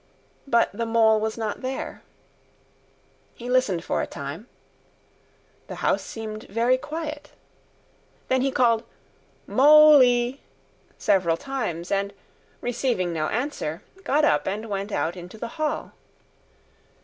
But the Mole was not there. He listened for a time. The house seemed very quiet. Then he called "Moly!" several times, and, receiving no answer, got up and went out into the hall.